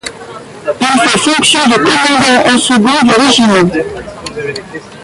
Il fait fonction de commandant en second du régiment.